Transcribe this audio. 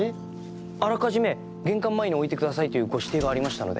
あらかじめ玄関前に置いてくださいというご指定がありましたので。